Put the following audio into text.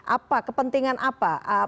apa kepentingan apa